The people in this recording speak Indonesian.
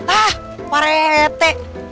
ah pak rete